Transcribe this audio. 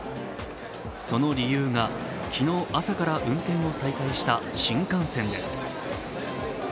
その理由が、昨日朝から運転を再開した新幹線です。